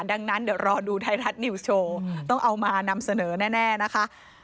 ดังนั้นเดี๋ยวรอดูไทยรัฐนิวส์โชว์ต้องเอามานำเสนอแน่นะคะ